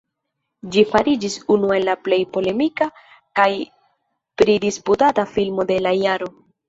Ĝi fariĝis unu el la plej polemika kaj pridisputata filmo de la jaro.